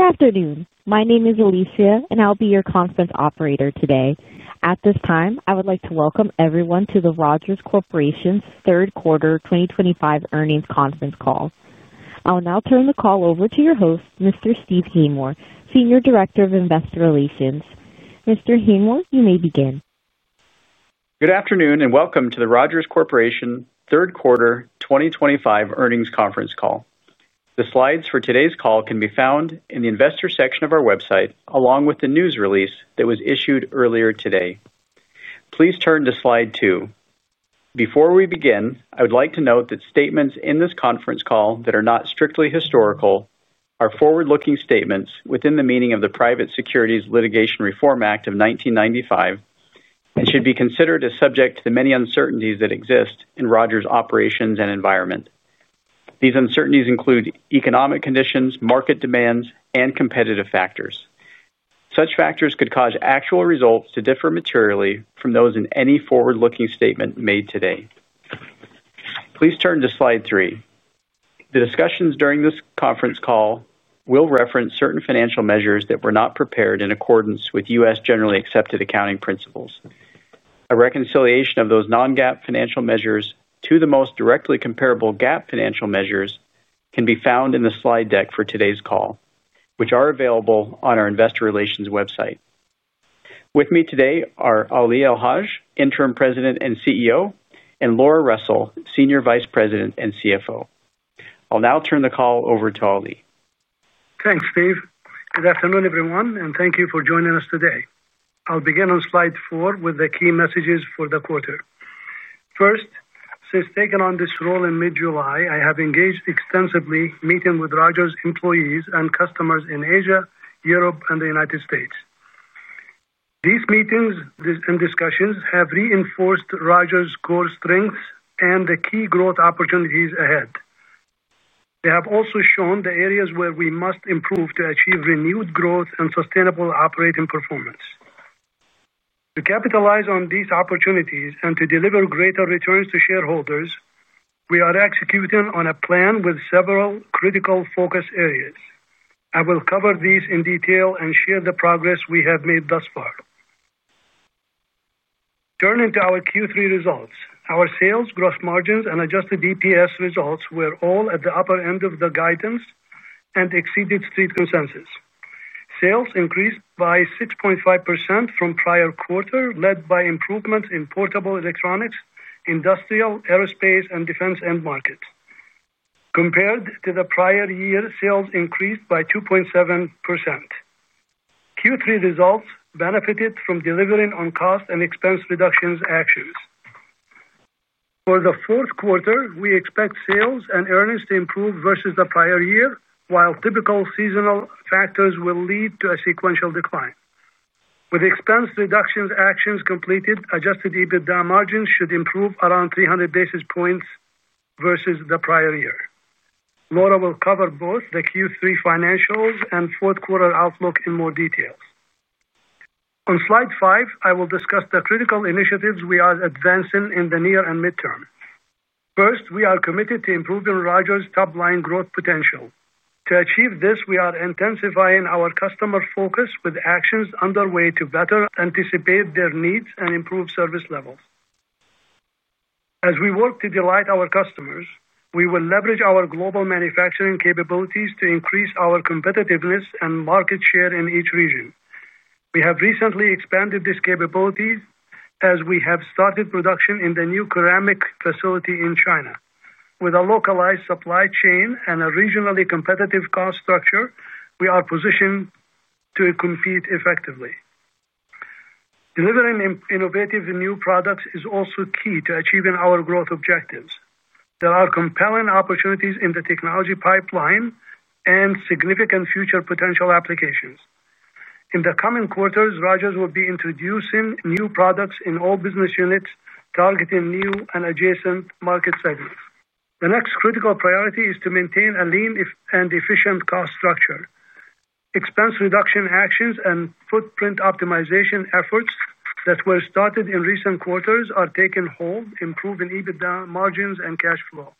Good afternoon. My name is Alicia, and I'll be your conference operator today. At this time, I would like to welcome everyone to the Rogers Corporation third quarter 2025 earnings conference call. I will now turn the call over to your host, Mr. Steve Haymore, Senior Director of Investor Relations. Mr. Haymore, you may begin. Good afternoon and welcome to the Rogers Corporation, third quarter 2025 earnings conference call. The slides for today's call can be found in the investor section of our website, along with the news release that was issued earlier today. Please turn to slide two. Before we begin, I would like to note that statements in this conference call that are not strictly historical are forward-looking statements within the meaning of the Private Securities Litigation Reform Act of 1995 and should be considered as subject to the many uncertainties that exist in Rogers' operations and environment. These uncertainties include economic conditions, market demands, and competitive factors. Such factors could cause actual results to differ materially from those in any forward-looking statement made today. Please turn to slide three. The discussions during this conference call will reference certain financial measures that were not prepared in accordance with U.S. generally accepted accounting principles. A reconciliation of those non-GAAP financial measures to the most directly comparable GAAP financial measures can be found in the slide deck for today's call, which are available on our Investor Relations website. With me today are Ali El-Haj, Interim President and CEO, and Laura Russell, Senior Vice President and CFO. I'll now turn the call over to Ali. Thanks, Steve. Good afternoon, everyone, and thank you for joining us today. I'll begin on slide four with the key messages for the quarter. First, since taking on this role in mid-July, I have engaged extensively in meeting with Rogers' employees and customers in Asia, Europe, and the United States. These meetings and discussions have reinforced Rogers' core strengths and the key growth opportunities ahead. They have also shown the areas where we must improve to achieve renewed growth and sustainable operating performance. To capitalize on these opportunities and to deliver greater returns to shareholders, we are executing on a plan with several critical focus areas. I will cover these in detail and share the progress we have made thus far. Turning to our Q3 results, our sales, gross margins, and adjusted EPS results were all at the upper end of the guidance and exceeded street consensus. Sales increased by 6.5% from prior quarter, led by improvements in portable electronics, industrial, aerospace, and defense end markets. Compared to the prior year, sales increased by 2.7%. Q3 results benefited from delivering on cost and expense reductions actions. For the fourth quarter, we expect sales and earnings to improve versus the prior year, while typical seasonal factors will lead to a sequential decline. With expense reductions actions completed, adjusted EBITDA margins should improve around 300 basis points versus the prior year. Laura will cover both the Q3 financials and fourth quarter outlook in more details. On slide five, I will discuss the critical initiatives we are advancing in the near and mid-term. First, we are committed to improving Rogers' top-line growth potential. To achieve this, we are intensifying our customer focus with actions underway to better anticipate their needs and improve service levels. As we work to delight our customers, we will leverage our global manufacturing capabilities to increase our competitiveness and market share in each region. We have recently expanded this capability as we have started production in the new ceramic facility in China. With a localized supply chain and a regionally competitive cost structure, we are positioned to compete effectively. Delivering innovative new products is also key to achieving our growth objectives. There are compelling opportunities in the technology pipeline and significant future potential applications. In the coming quarters, Rogers will be introducing new products in all business units, targeting new and adjacent market segments. The next critical priority is to maintain a lean and efficient cost structure. Expense reduction actions and footprint optimization efforts that were started in recent quarters are taking hold, improving EBITDA margins and cash flow.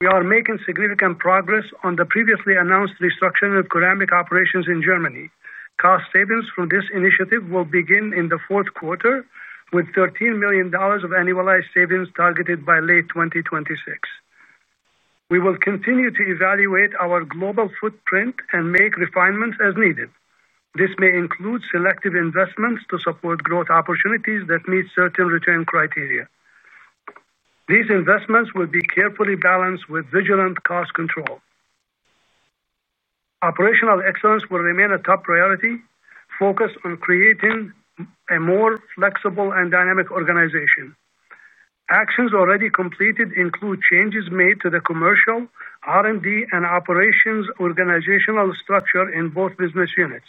We are making significant progress on the previously announced restructuring of ceramic operations in Germany. Cost savings from this initiative will begin in the fourth quarter, with $13 million of annualized savings targeted by late 2026. We will continue to evaluate our global footprint and make refinements as needed. This may include selective investments to support growth opportunities that meet certain return criteria. These investments will be carefully balanced with vigilant cost control. Operational excellence will remain a top priority. Focus on creating a more flexible and dynamic organization. Actions already completed include changes made to the commercial R&D and operations organizational structure in both business units.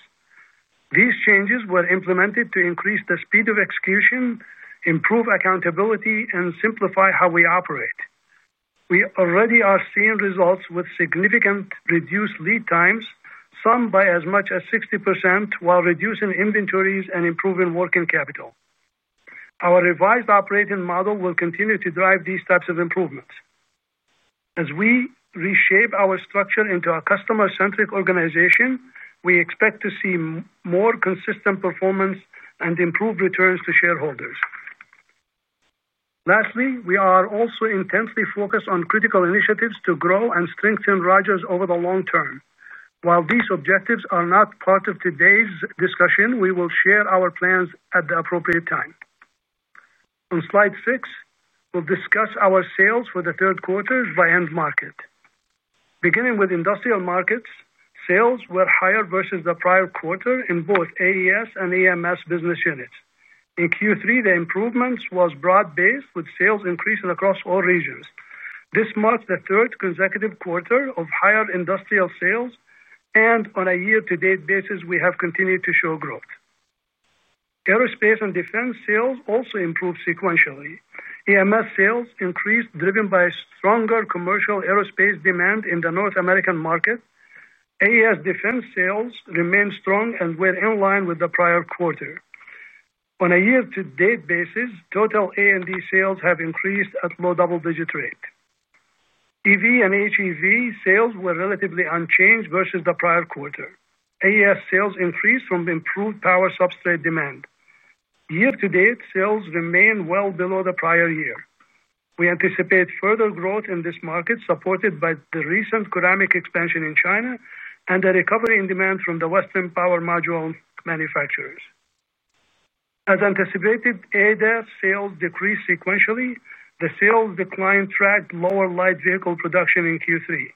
These changes were implemented to increase the speed of execution, improve accountability, and simplify how we operate. We already are seeing results with significantly reduced lead times, some by as much as 60%, while reducing inventories and improving working capital. Our revised operating model will continue to drive these types of improvements. As we reshape our structure into a customer-centric organization, we expect to see more consistent performance and improved returns to shareholders. Lastly, we are also intensely focused on critical initiatives to grow and strengthen Rogers over the long term. While these objectives are not part of today's discussion, we will share our plans at the appropriate time. On slide six, we'll discuss our sales for the third quarter by end market. Beginning with industrial markets, sales were higher versus the prior quarter in both AES and EMS business units. In Q3, the improvement was broad-based, with sales increasing across all regions. This marks the third consecutive quarter of higher industrial sales, and on a year-to-date basis, we have continued to show growth. Aerospace and defense sales also improved sequentially. EMS sales increased, driven by a stronger commercial aerospace demand in the North American market. AES defense sales remained strong and were in line with the prior quarter. On a year-to-date basis, total A&D sales have increased at a low double-digit rate. EV/HEV sales were relatively unchanged versus the prior quarter. AES sales increased from improved power substrate demand. Year-to-date sales remain well below the prior year. We anticipate further growth in this market, supported by the recent ceramic expansion in China and the recovery in demand from the Western power module manufacturers. As anticipated, AES sales decreased sequentially. The sales decline tracked lower light vehicle production in Q3.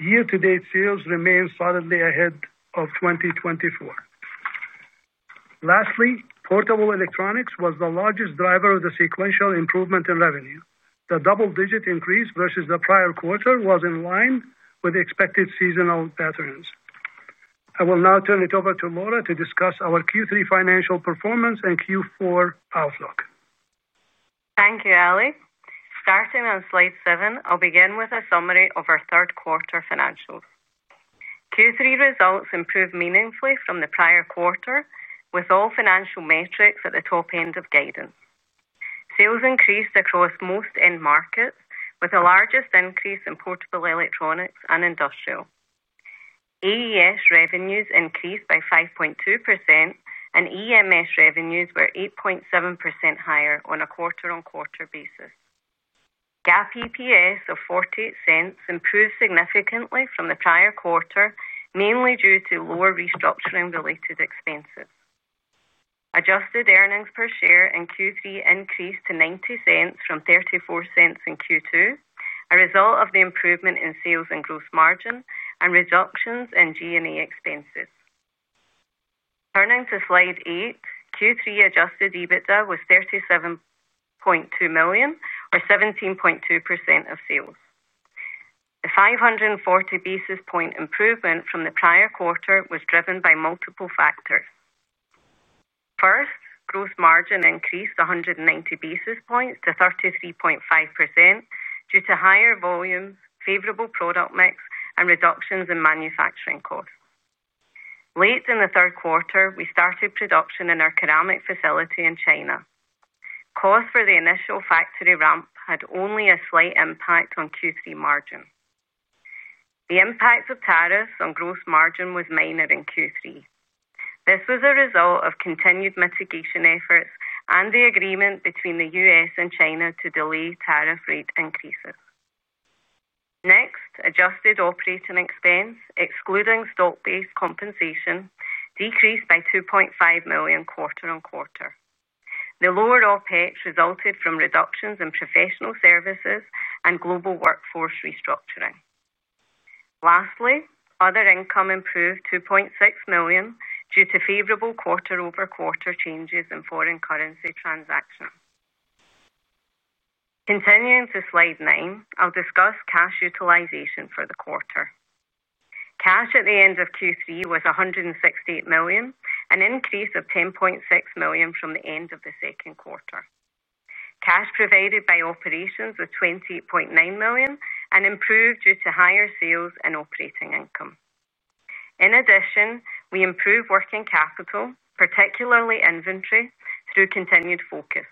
Year-to-date sales remain solidly ahead of 2024. Lastly, portable electronics was the largest driver of the sequential improvement in revenue. The double-digit increase versus the prior quarter was in line with expected seasonal patterns. I will now turn it over to Laura to discuss our Q3 financial performance and Q4 outlook. Thank you, Ali. Starting on slide seven, I'll begin with a summary of our third quarter financials. Q3 results improved meaningfully from the prior quarter, with all financial metrics at the top end of guidance. Sales increased across most end markets, with the largest increase in portable electronics and industrial. AES revenues increased by 5.2%, and EMS revenues were 8.7% higher on a quarter-on-quarter basis. GAAP EPS of $0.48 improved significantly from the prior quarter, mainly due to lower restructuring-related expenses. Adjusted EPS in Q3 increased to $0.90 from $0.34 in Q2, a result of the improvement in sales and gross margin and reductions in G&A expenses. Turning to slide eight, Q3 adjusted EBITDA was $37.2 million, or 17.2% of sales. A 540 basis point improvement from the prior quarter was driven by multiple factors. First, gross margin increased 190 basis points to 33.5% due to higher volumes, favorable product mix, and reductions in manufacturing costs. Late in the third quarter, we started production in our ceramic facility in China. Costs for the initial factory ramp had only a slight impact on Q3 margin. The impact of tariffs on gross margin was minor in Q3. This was a result of continued mitigation efforts and the agreement between the U.S. and China to delay tariff rate increases. Next, adjusted operating expense, excluding stock-based compensation, decreased by $2.5 million quarter on quarter. The lowered OpEx resulted from reductions in professional services and global workforce restructuring. Lastly, other income improved $2.6 million due to favorable quarter-over-quarter changes in foreign currency transactions. Continuing to slide nine, I'll discuss cash utilization for the quarter. Cash at the end of Q3 was $168 million, an increase of $10.6 million from the end of the second quarter. Cash provided by operations was $28.9 million and improved due to higher sales and operating income. In addition, we improved working capital, particularly inventory, through continued focus.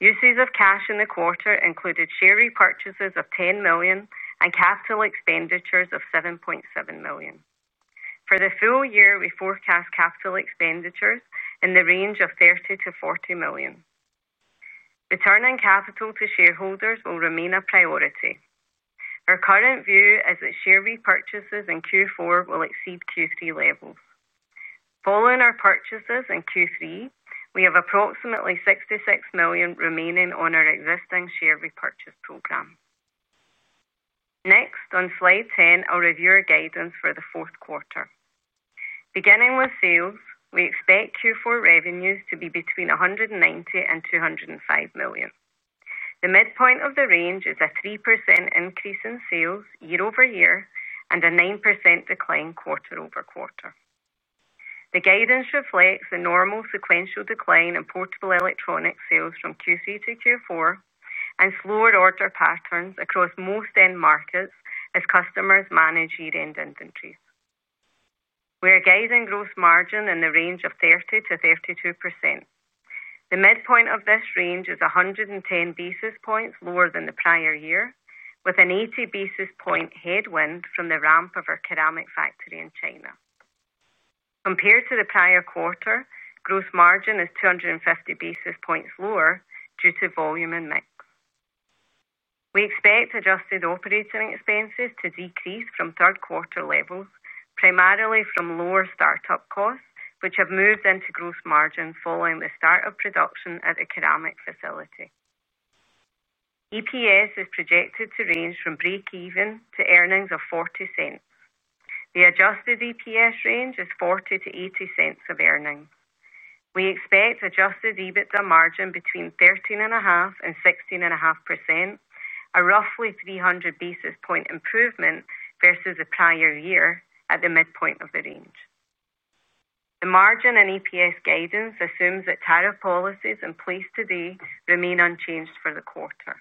Uses of cash in the quarter included share repurchases of $10 million and capital expenditures of $7.7 million. For the full year, we forecast capital expenditures in the range of $30 million-$40 million. Returning capital to shareholders will remain a priority. Our current view is that share repurchases in Q4 will exceed Q3 levels. Following our purchases in Q3, we have approximately $66 million remaining on our existing share repurchase program. Next, on slide 10, I'll review our guidance for the fourth quarter. Beginning with sales, we expect Q4 revenues to be between $190 million and $205 million. The midpoint of the range is a 3% increase in sales year over year and a 9% decline quarter-over-quarter. The guidance reflects a normal sequential decline in portable electronics sales from Q3 to Q4 and slower order patterns across most end markets as customers manage year-end inventories. We are guiding gross margin in the range of 30%-32%. The midpoint of this range is 110 basis points lower than the prior year, with an 80 basis point headwind from the ramp of our ceramic factory in China. Compared to the prior quarter, gross margin is 250 basis points lower due to volume and mix. We expect adjusted operating expenses to decrease from third quarter levels, primarily from lower startup costs, which have moved into gross margin following the start of production at a ceramic facility. EPS is projected to range from break-even to earnings of $0.40. The adjusted EPS range is $0.40-$0.80 of earnings. We expect adjusted EBITDA margin between 13.5% and 16.5%, a roughly 300 basis point improvement versus the prior year at the midpoint of the range. The margin and EPS guidance assumes that tariff policies in place today remain unchanged for the quarter.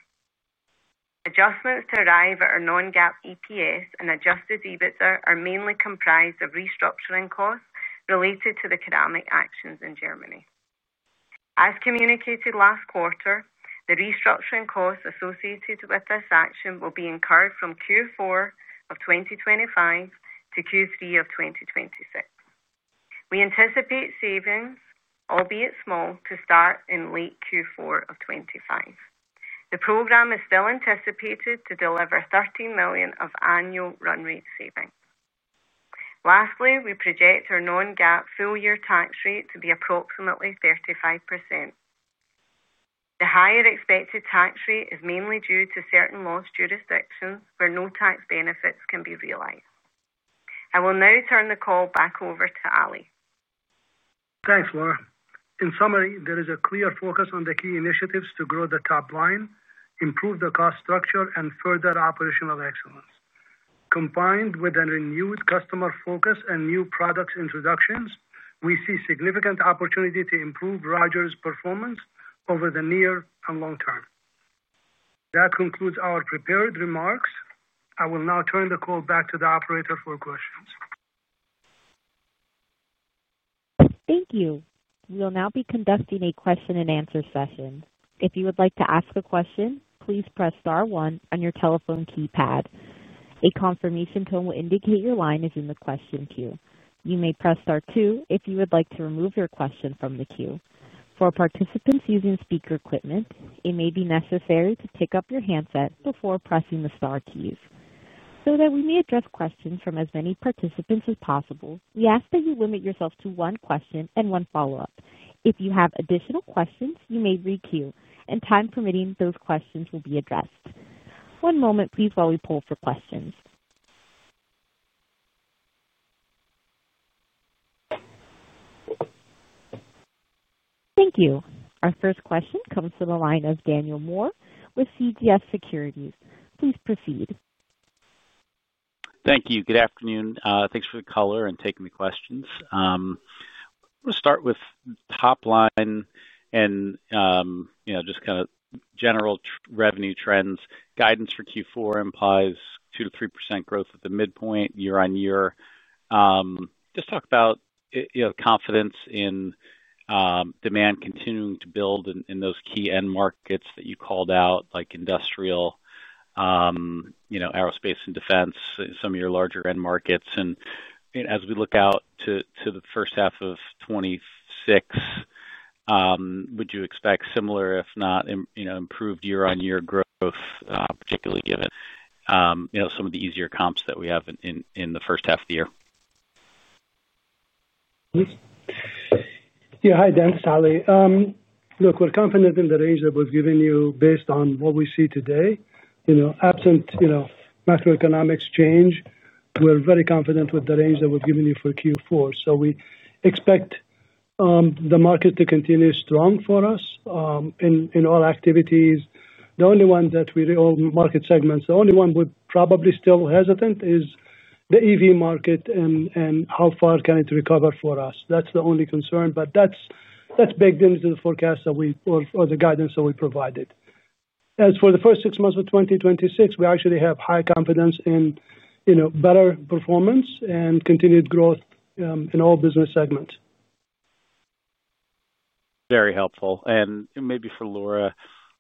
Adjustments to arrive at our non-GAAP EPS and adjusted EBITDA are mainly comprised of restructuring costs related to the ceramic actions in Germany. As communicated last quarter, the restructuring costs associated with this action will be incurred from Q4 of 2025 to Q3 of 2026. We anticipate savings, albeit small, to start in late Q4 of 2025. The program is still anticipated to deliver $13 million of annual run-rate savings. Lastly, we project our non-GAAP full-year tax rate to be approximately 35%. The higher expected tax rate is mainly due to certain loss jurisdictions where no tax benefits can be realized. I will now turn the call back over to Ali. Thanks, Laura. In summary, there is a clear focus on the key initiatives to grow the top line, improve the cost structure, and further operational excellence. Combined with a renewed customer focus and new product introductions, we see significant opportunity to improve Rogers' performance over the near and long term. That concludes our prepared remarks. I will now turn the call back to the operator for questions. Thank you. We'll now be conducting a question and answer session. If you would like to ask a question, please press star one on your telephone keypad. A confirmation tone will indicate your line is in the question queue. You may press star two if you would like to remove your question from the queue. For participants using speaker equipment, it may be necessary to pick up your handset before pressing the star keys. So that we may address questions from as many participants as possible, we ask that you limit yourself to one question and one follow-up. If you have additional questions, you may re-queue, and time permitting, those questions will be addressed. One moment, please, while we pull for questions. Thank you. Our first question comes to the line of Daniel Moore with CJS Securities. Please proceed. Thank you. Good afternoon. Thanks for the color and taking the questions. I'm going to start with top line and, you know, just kind of general revenue trends. Guidance for Q4 implies 2%-3% growth at the midpoint year-on-year. Just talk about, you know, confidence in demand continuing to build in those key end markets that you called out, like industrial, aerospace, and defense, some of your larger end markets. As we look out to the first half of 2026, would you expect similar, if not, you know, improved year-on-year growth, particularly given, you know, some of the easier comps that we have in the first half of the year? Yeah. Hi, this is Ali. Look, we're confident in the range that we've given you based on what we see today. Absent macroeconomic change, we're very confident with the range that we've given you for Q4. We expect the market to continue strong for us in all activities, all market segments. The only one we're probably still hesitant is the EV market and how far can it recover for us. That's the only concern, but that's baked into the forecast or the guidance that we provided. As for the first six months of 2026, we actually have high confidence in better performance and continued growth in all business segments. Very helpful. Maybe for Laura,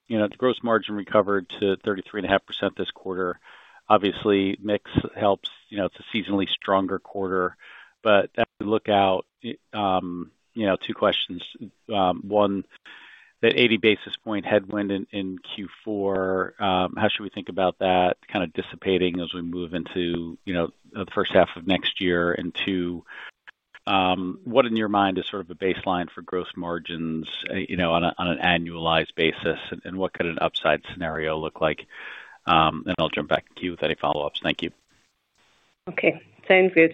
the gross margin recovered to 33.5% this quarter. Obviously, mix helps. It's a seasonally stronger quarter. As we look out, two questions. One, that 80 basis point headwind in Q4, how should we think about that kind of dissipating as we move into the first half of next year? Two, what in your mind is sort of a baseline for gross margins on an annualized basis? What could an upside scenario look like? I'll jump back to you with any follow-ups. Thank you. Okay. Sounds good.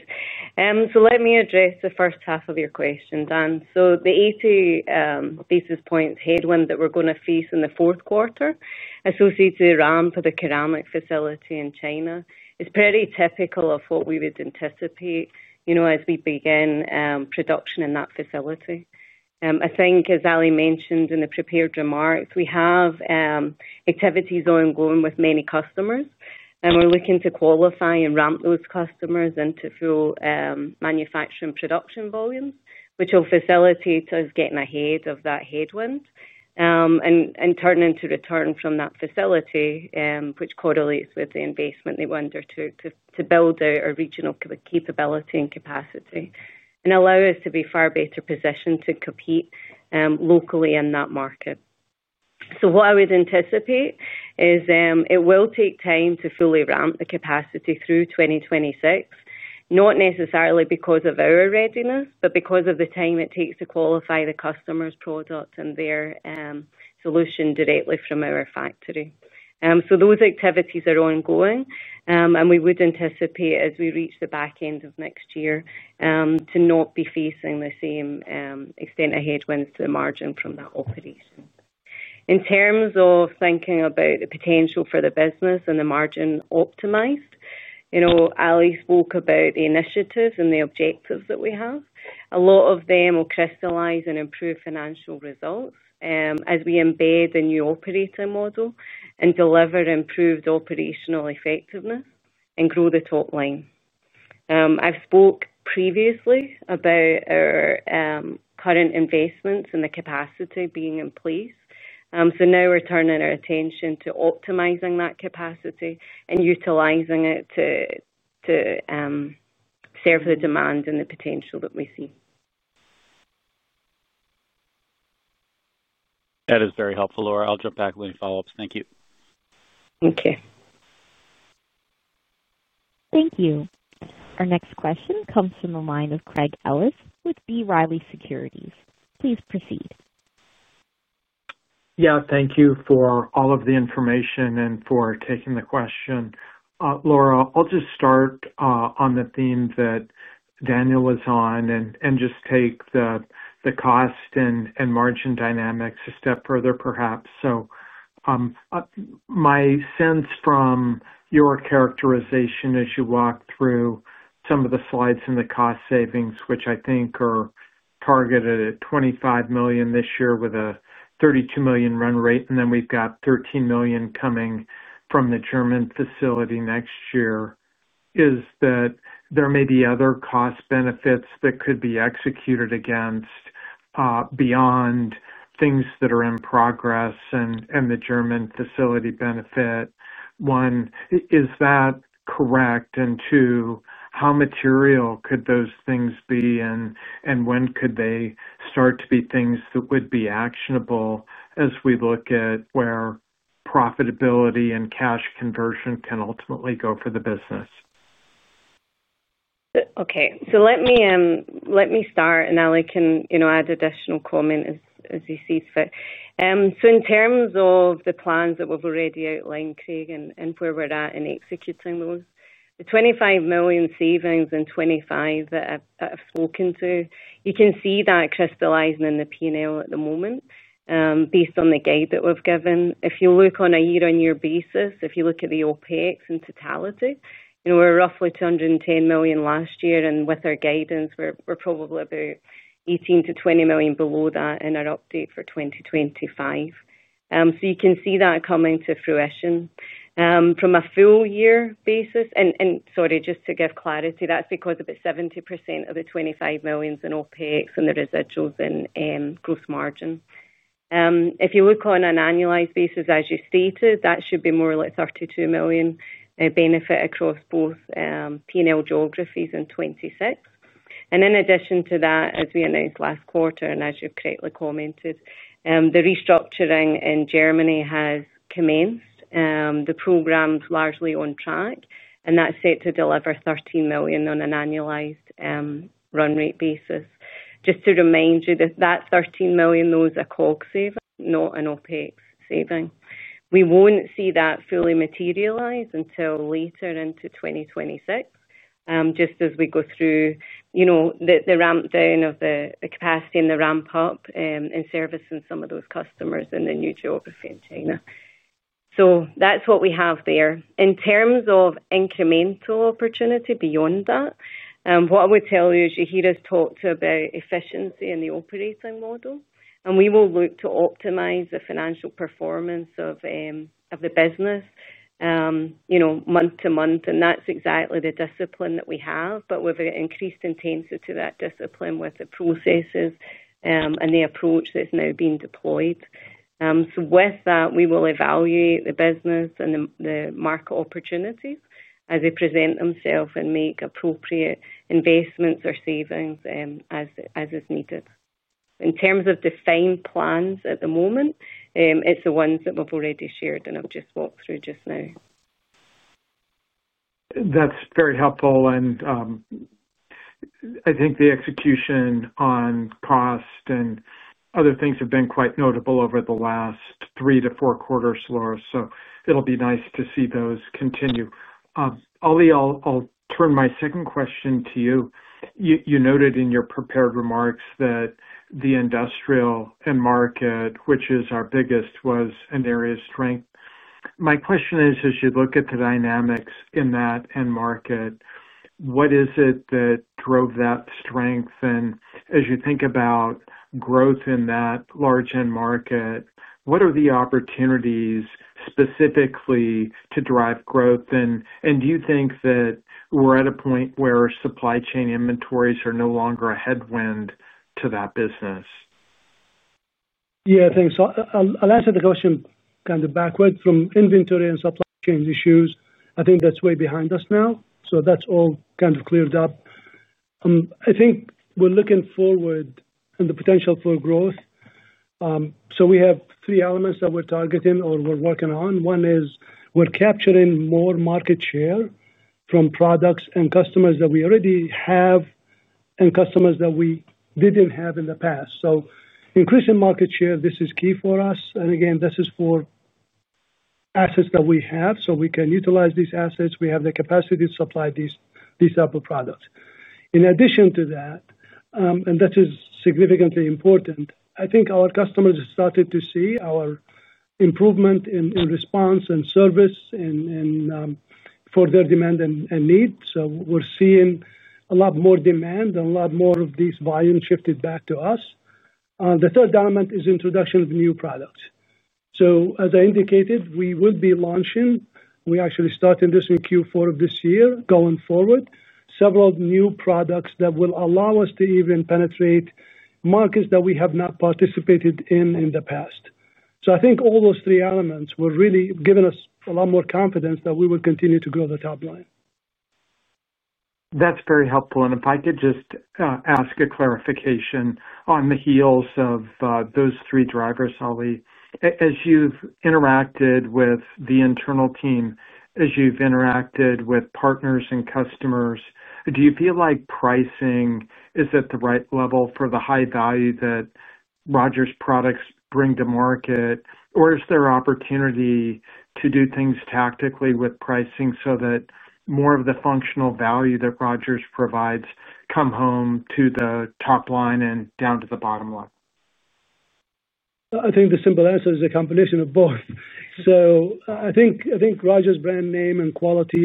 Let me address the first half of your question, Dan. The 80 basis points headwind that we're going to face in the fourth quarter associated with the ramp of the ceramic facility in China is pretty typical of what we would anticipate as we begin production in that facility. I think, as Ali mentioned in the prepared remarks, we have activities ongoing with many customers. We're looking to qualify and ramp those customers into full manufacturing production volumes, which will facilitate us getting ahead of that headwind and turning into return from that facility, which correlates with the investment they want to build out a regional capability and capacity and allow us to be far better positioned to compete locally in that market. What I would anticipate is it will take time to fully ramp the capacity through 2026, not necessarily because of our readiness, but because of the time it takes to qualify the customer's products and their solution directly from our factory. Those activities are ongoing. We would anticipate, as we reach the back end of next year, to not be facing the same extent of headwinds to the margin from that operation. In terms of thinking about the potential for the business and the margin optimized, Ali spoke about the initiatives and the objectives that we have. A lot of them will crystallize and improve financial results as we embed a new operating model and deliver improved operational effectiveness and grow the top line. I've spoke previously about our current investments and the capacity being in place. Now we're turning our attention to optimizing that capacity and utilizing it to serve the demand and the potential that we see. That is very helpful, Laura. I'll jump back with any follow-ups. Thank you. Okay. Thank you. Our next question comes from the line of Craig Ellis with B. Riley Securities. Please proceed. Thank you for all of the information and for taking the question. Laura, I'll just start on the theme that Daniel was on and take the cost and margin dynamics a step further, perhaps. My sense from your characterization as you walk through some of the slides in the cost savings, which I think are targeted at $25 million this year with a $32 million run rate, and then we've got $13 million coming from the German facility next year, is that there may be other cost benefits that could be executed against, beyond things that are in progress and the German facility benefit. One, is that correct? Two, how material could those things be and when could they start to be things that would be actionable as we look at where profitability and cash conversion can ultimately go for the business? Okay. Let me start, and Ali can add additional comments as he sees fit. In terms of the plans that we've already outlined, Craig, and where we're at in executing those, the $25 million savings in 2025 that I've spoken to, you can see that crystallizing in the P&L at the moment, based on the guide that we've given. If you look on a year-on-year basis, if you look at the OpEx in totality, we're roughly $210 million last year, and with our guidance, we're probably about $18 million-$20 million below that in our update for 2025. You can see that coming to fruition. From a full-year basis, and sorry, just to give clarity, that's because it's 70% of the $25 million in OpEx and the residuals in gross margin. If you look on an annualized basis, as you stated, that should be more like $32 million, a benefit across both P&L geographies in 2026. In addition to that, as we announced last quarter and as you correctly commented, the restructuring in Germany has commenced. The program's largely on track, and that's set to deliver $13 million on an annualized run-rate basis. Just to remind you, that $13 million, those are COGS savings, not an OpEx savings. We won't see that fully materialize until later into 2026, just as we go through the ramp down of the capacity and the ramp-up in servicing some of those customers in the new geography in China. That's what we have there. In terms of incremental opportunity beyond that, what I would tell you is you hear us talk about efficiency in the operating model, and we will look to optimize the financial performance of the business month to month. That's exactly the discipline that we have, but with an increased intensity to that discipline with the processes and the approach that's now being deployed. With that, we will evaluate the business and the market opportunities as they present themselves and make appropriate investments or savings, as is needed. In terms of defined plans at the moment, it's the ones that we've already shared and I've just walked through just now. That's very helpful. I think the execution on cost and other things have been quite notable over the last three to four quarters, Laura. It will be nice to see those continue. Ali, I'll turn my second question to you. You noted in your prepared remarks that the industrial end market, which is our biggest, was an area of strength. My question is, as you look at the dynamics in that end market, what is it that drove that strength? As you think about growth in that large end market, what are the opportunities specifically to drive growth? Do you think that we're at a point where supply chain inventories are no longer a headwind to that business? Yeah, thanks. I'll answer the question kind of backwards. From inventory and supply chain issues, I think that's way behind us now. That's all kind of cleared up. I think we're looking forward in the potential for growth. We have three elements that we're targeting or we're working on. One is we're capturing more market share from products and customers that we already have and customers that we didn't have in the past. Increasing market share, this is key for us. This is for assets that we have so we can utilize these assets. We have the capacity to supply these types of products. In addition to that, and this is significantly important, I think our customers have started to see our improvement in response and service for their demand and need. We're seeing a lot more demand and a lot more of these volumes shifted back to us. The third element is the introduction of new products. As I indicated, we will be launching, we're actually starting this in Q4 of this year, going forward, several new products that will allow us to even penetrate markets that we have not participated in in the past. I think all those three elements are really giving us a lot more confidence that we will continue to grow the top line. That's very helpful. If I could just ask a clarification on the heels of those three drivers, Ali, as you've interacted with the internal team, as you've interacted with partners and customers, do you feel like pricing is at the right level for the high value that Rogers products bring to market, or is there opportunity to do things tactically with pricing so that more of the functional value that Rogers provides comes home to the top line and down to the bottom line? I think the simple answer is a combination of both. I think Rogers' brand name and quality,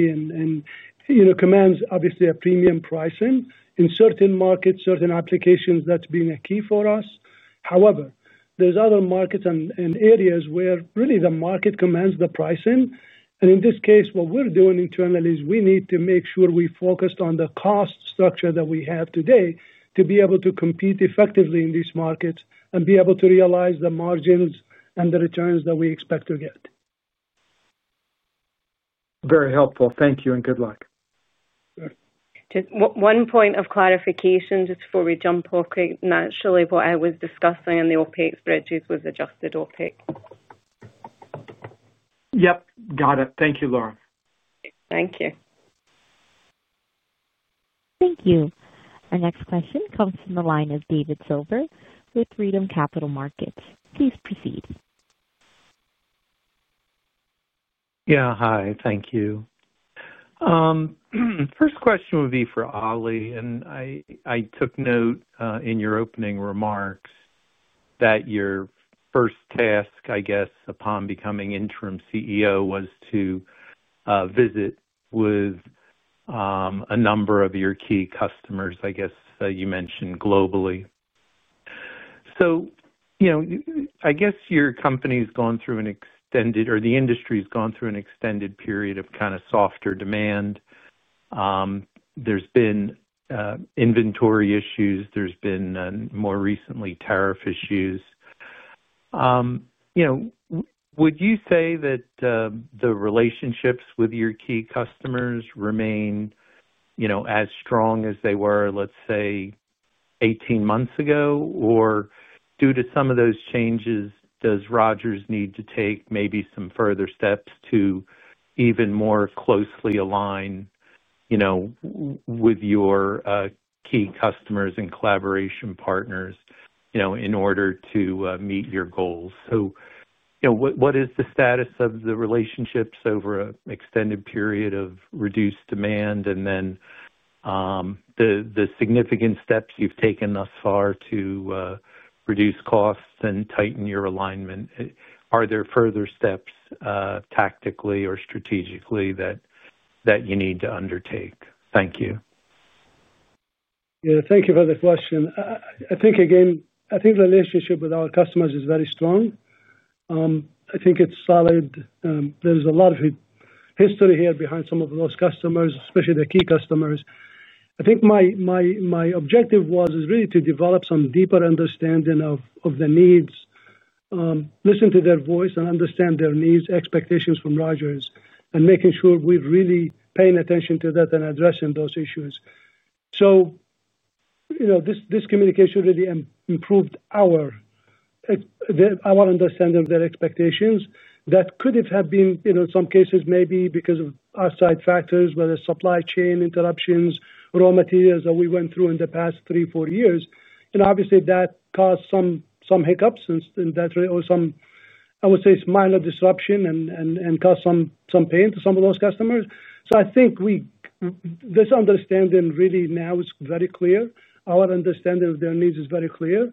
you know, commands obviously a premium pricing. In certain markets, certain applications, that's been a key for us. However, there's other markets and areas where really the market commands the pricing. In this case, what we're doing internally is we need to make sure we focus on the cost structure that we have today to be able to compete effectively in these markets and be able to realize the margins and the returns that we expect to get. Very helpful. Thank you and good luck. Just one point of clarification before we jump off quick, naturally, what I was discussing in the OpEx spreadsheets was adjusted OpEx. Yep. Got it. Thank you, Laura. Thank you. Thank you. Our next question comes from the line of David Silver with Freedom Capital Markets. Please proceed. Yeah. Hi. Thank you. First question would be for Ali. I took note in your opening remarks that your first task, I guess, upon becoming Interim CEO was to visit with a number of your key customers, I guess, you mentioned globally. Your company's gone through an extended or the industry's gone through an extended period of kind of softer demand. There's been inventory issues. There's been more recently tariff issues. Would you say that the relationships with your key customers remain as strong as they were, let's say, 18 months ago? Or due to some of those changes, does Rogers need to take maybe some further steps to even more closely align with your key customers and collaboration partners in order to meet your goals? What is the status of the relationships over an extended period of reduced demand and then the significant steps you've taken thus far to reduce costs and tighten your alignment? Are there further steps, tactically or strategically, that you need to undertake? Thank you. Thank you for the question. I think, again, the relationship with our customers is very strong. I think it's solid. There's a lot of history here behind some of those customers, especially the key customers. I think my objective was really to develop some deeper understanding of the needs, listen to their voice, and understand their needs, expectations from Rogers, and making sure we're really paying attention to that and addressing those issues. This communication really improved our understanding of their expectations. That could have been, in some cases, maybe because of outside factors, whether it's supply chain interruptions, raw materials that we went through in the past three, four years. Obviously, that caused some hiccups in that or some, I would say, minor disruption and caused some pain to some of those customers. I think this understanding really now is very clear. Our understanding of their needs is very clear.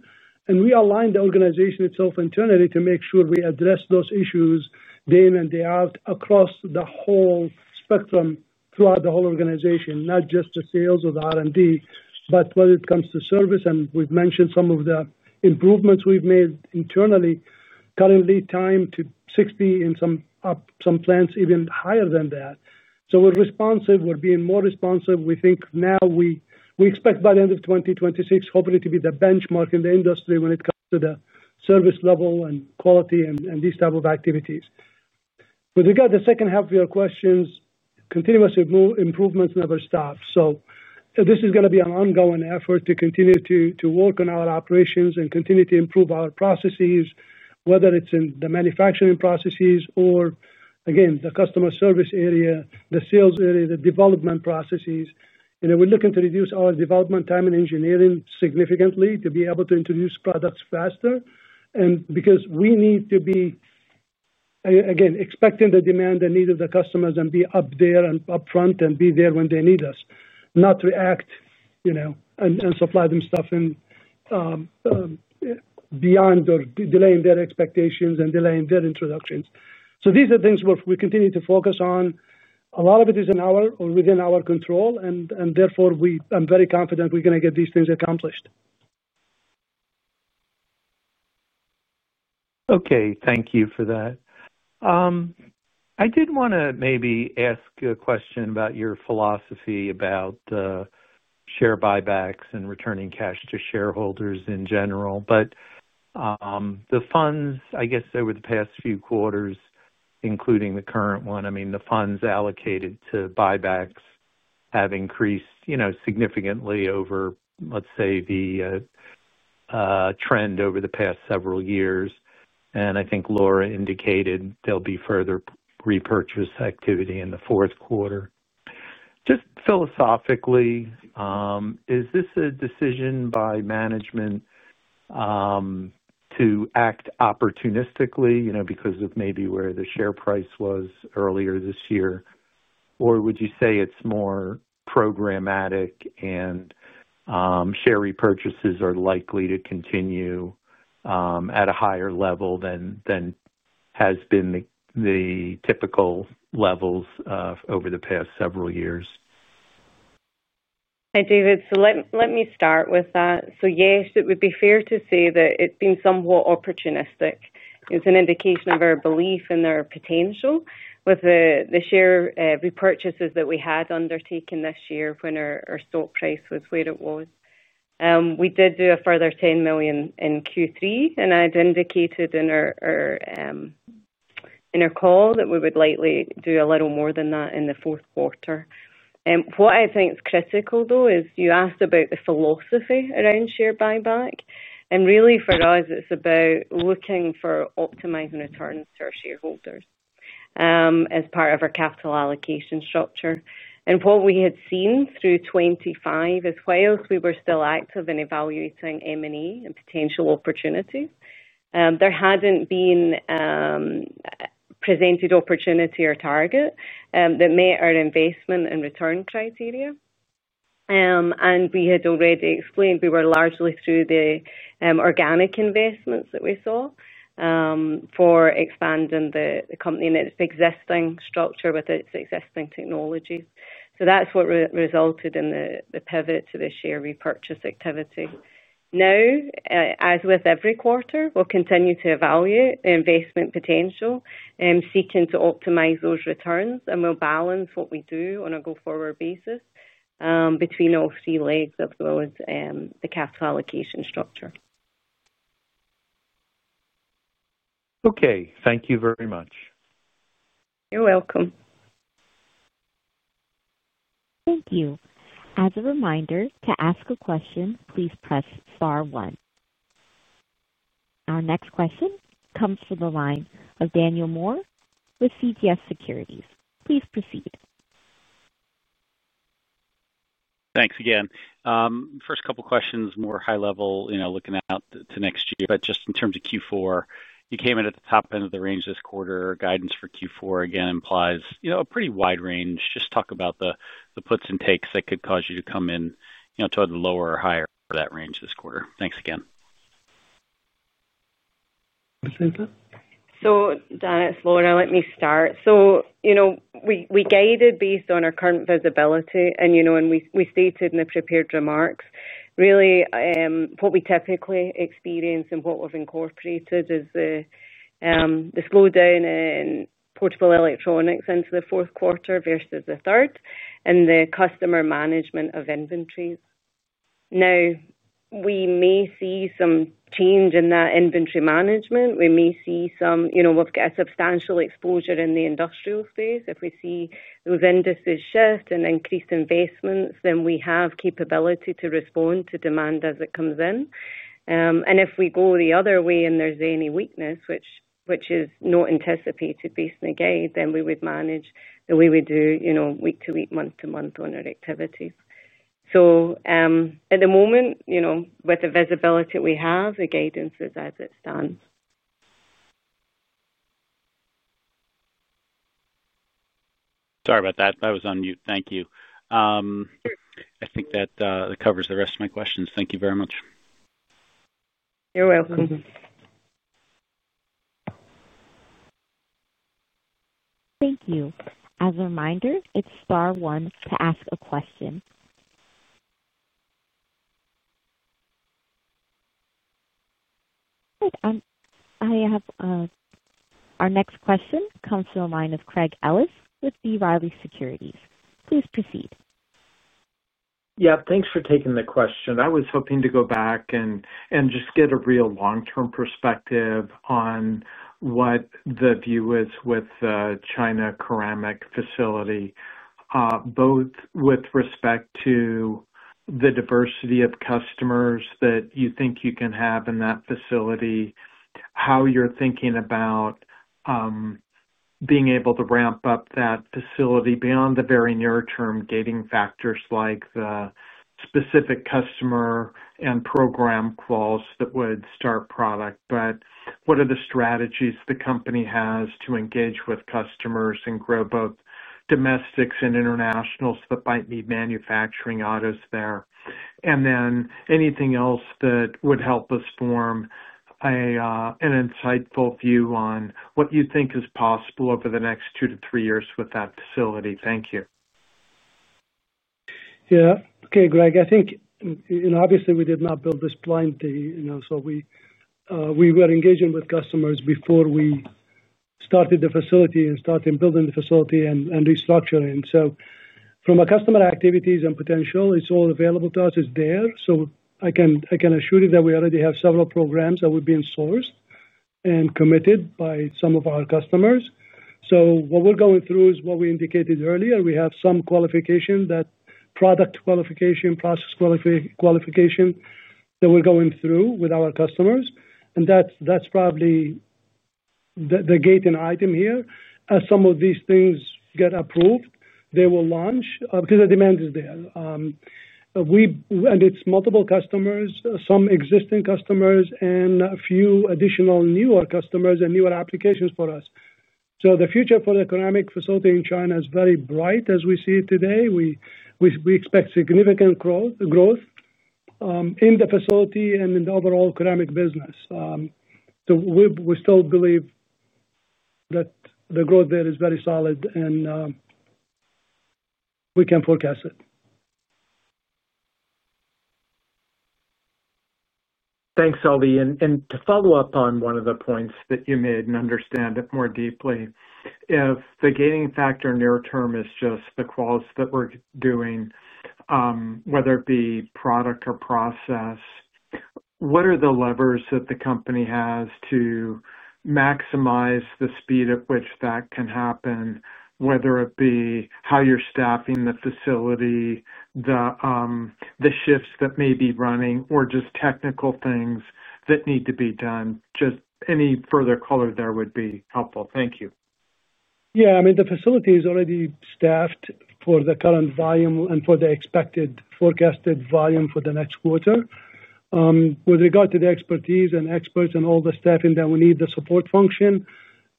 We aligned the organization itself internally to make sure we address those issues day in and day out across the whole spectrum throughout the whole organization, not just the sales or the R&D, but when it comes to service. We've mentioned some of the improvements we've made internally. Currently, time to 60 and some plans even higher than that. We're responsive. We're being more responsive. We think now we expect by the end of 2026, hopefully, to be the benchmark in the industry when it comes to the service level and quality and these types of activities. With regard to the second half of your questions, continuous improvements never stop. This is going to be an ongoing effort to continue to work on our operations and continue to improve our processes, whether it's in the manufacturing processes or, again, the customer service area, the sales area, the development processes. We're looking to reduce our development time and engineering significantly to be able to introduce products faster. Because we need to be, again, expecting the demand and need of the customers and be up there and upfront and be there when they need us, not react, and supply them stuff beyond or delaying their expectations and delaying their introductions. These are things we continue to focus on. A lot of it is in our or within our control. Therefore, I'm very confident we're going to get these things accomplished. Okay. Thank you for that. I did want to maybe ask a question about your philosophy about the share buybacks and returning cash to shareholders in general. The funds, I guess, over the past few quarters, including the current one, the funds allocated to buybacks have increased significantly over, let's say, the trend over the past several years. I think Laura indicated there'll be further repurchase activity in the fourth quarter. Just philosophically, is this a decision by management to act opportunistically because of maybe where the share price was earlier this year? Would you say it's more programmatic and share repurchases are likely to continue at a higher level than has been the typical levels over the past several years? Hi, David. Let me start with that. Yes, it would be fair to say that it's been somewhat opportunistic. It's an indication of our belief in their potential with the share repurchases that we had undertaken this year when our stock price was where it was. We did do a further $10 million in Q3. I had indicated in our call that we would likely do a little more than that in the fourth quarter. What I think is critical, though, is you asked about the philosophy around share buyback. Really, for us, it's about looking for optimizing returns for shareholders as part of our capital allocation structure. What we had seen through 2025 as well is we were still active in evaluating M&A and potential opportunities. There hadn't been presented opportunity or target that met our investment and return criteria. We had already explained we were largely through the organic investments that we saw for expanding the company in its existing structure with its existing technologies. That's what resulted in the pivot to the share repurchase activity. As with every quarter, we'll continue to evaluate the investment potential and seeking to optimize those returns. We'll balance what we do on a go-forward basis between all three legs of the cash allocation structure. Okay, thank you very much. You're welcome. Thank you. As a reminder, to ask a question, please press star one. Our next question comes from the line of Daniel Moore with CJS Securities. Please proceed. Thanks again. First couple of questions, more high-level, looking out to next year. In terms of Q4, you came in at the top end of the range this quarter. Guidance for Q4, again, implies a pretty wide range. Just talk about the puts and takes that could cause you to come in toward the lower or higher for that range this quarter. Thanks again. Dan it's Laura, let me start. We guided based on our current visibility. We stated in the prepared remarks, really, what we typically experience and what we've incorporated is the slowdown in portable electronics into the fourth quarter versus the third and the customer management of inventories. We may see some change in that inventory management. We've got a substantial exposure in the industrial space. If we see those indices shift and increase investments, then we have the capability to respond to demand as it comes in. If we go the other way and there's any weakness, which is not anticipated based on the guide, then we would manage the way we do, week to week, month to month on our activities. At the moment, with the visibility we have, the guidance is as it stands. Sorry about that. That was on mute. Thank you. I think that covers the rest of my questions. Thank you very much. You're welcome. Thank you. As a reminder, it's star one to ask a question. Our next question comes from the line of Craig Ellis with B. Riley Securities. Please proceed. Yeah. Thanks for taking the question. I was hoping to go back and just get a real long-term perspective on what the view is with the China ceramic facility, both with respect to the diversity of customers that you think you can have in that facility, how you're thinking about being able to ramp up that facility beyond the very near term, gating factors like the specific customer and program calls that would start product. What are the strategies the company has to engage with customers and grow both domestics and internationals that might need manufacturing autos there? Anything else that would help us form an insightful view on what you think is possible over the next two to three years with that facility. Thank you. Yeah. Okay, Craig. I think, you know, obviously, we did not build this blindly. We were engaging with customers before we started the facility and started building the facility and restructuring. From a customer activities and potential, it's all available to us. It's there. I can assure you that we already have several programs that were being sourced and committed by some of our customers. What we're going through is what we indicated earlier. We have some qualification, product qualification, process qualification that we're going through with our customers. That's probably the gating item here. As some of these things get approved, they will launch because the demand is there. It's multiple customers, some existing customers, and a few additional newer customers and newer applications for us. The future for the ceramic facility in China is very bright as we see it today. We expect significant growth in the facility and in the overall ceramic business. We still believe that the growth there is very solid, and we can forecast it. Thanks, Ali. To follow up on one of the points that you made and understand it more deeply, if the gating factor near term is just the calls that we're doing, whether it be product or process, what are the levers that the company has to maximize the speed at which that can happen, whether it be how you're staffing the facility, the shifts that may be running, or just technical things that need to be done? Any further color there would be helpful. Thank you. Yeah. I mean, the facility is already staffed for the current volume and for the expected forecasted volume for the next quarter. With regard to the expertise and experts and all the staffing that we need, the support functions,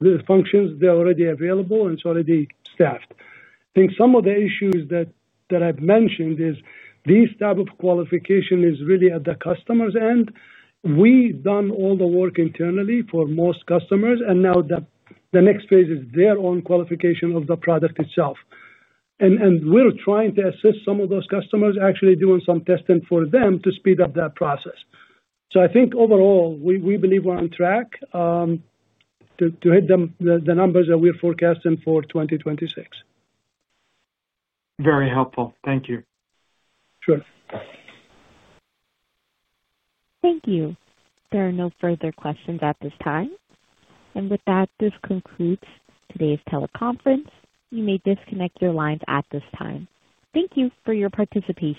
they're already available and already staffed. I think some of the issues that I've mentioned is this type of qualification is really at the customer's end. We've done all the work internally for most customers, and now the next phase is their own qualification of the product itself. We're trying to assist some of those customers, actually doing some testing for them to speed up that process. I think overall, we believe we're on track to hit the numbers that we're forecasting for 2026. Very helpful. Thank you. Sure. Thank you. There are no further questions at this time. With that, this concludes today's teleconference. You may disconnect your lines at this time. Thank you for your participation.